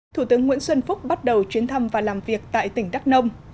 thủ tướng nguyễn xuân phúc bắt đầu chuyến thăm và làm việc tại tỉnh đắk nông